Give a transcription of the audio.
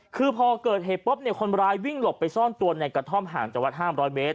คือพอเกิดเหตุปุ๊บเนี่ยคนร้ายวิ่งหลบไปซ่อนตัวในกระท่อมห่างจากวัด๕๐๐เมตร